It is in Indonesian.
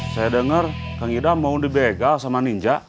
saya dengar kang idam mau dibegal sama ninja